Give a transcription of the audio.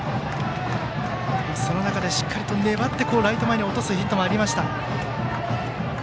その中で、しっかり粘ってライト前に落とすヒットもありました。